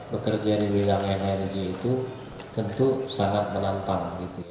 bekerja di bidang energi itu tentu sangat menantang